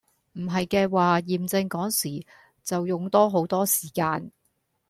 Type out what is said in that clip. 唔係嘅話驗證個時就用多好多時間